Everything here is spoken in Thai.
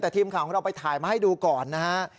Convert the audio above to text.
แต่ทีมข่าวของเราไปถ่ายมาให้ดูก่อนนะฮะ